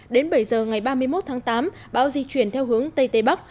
đến bảy giờ ngày ba mươi một tháng tám bão di chuyển theo hướng tây tây bắc